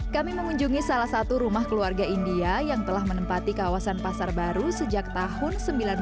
kami mengunjungi salah satu rumah keluarga india yang telah menempati kawasan pasar baru sejak tahun seribu sembilan ratus sembilan puluh